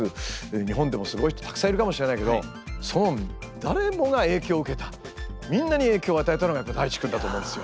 日本でもすごい人たくさんいるかもしれないけどその誰もが影響を受けたみんなに影響を与えたのがやっぱＤａｉｃｈｉくんだと思うんですよ。